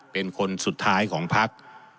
เป็นคนสุดท้ายของพัก